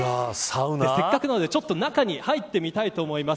せっかくなので中に入ってみたいと思います。